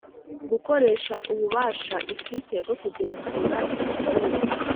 gukoresha ububasha ifite bwo kugenzura imikorere